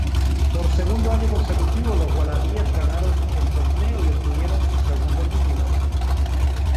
Por segundo año consecutivo los Wallabies ganaron el torneo y obtuvieron su segundo título.